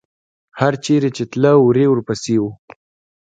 هر چېرې چې تله، وری ورپسې و.